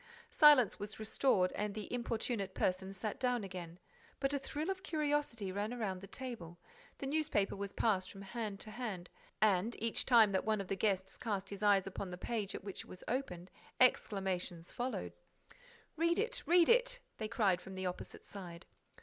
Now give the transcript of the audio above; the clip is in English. Silence was restored and the importunate person sat down again: but a thrill of curiosity ran round the table, the newspaper was passed from hand to hand and, each time that one of the guests cast his eyes upon the page at which it was opened, exclamations followed: "Read it! Read it!" they cried from the opposite side.